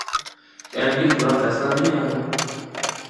کیا ان کے خلاف فیصلہ نہیں آیا؟